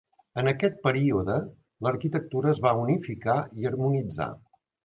En aquest període l'arquitectura es va unificar i harmonitzar.